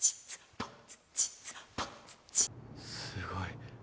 すごい。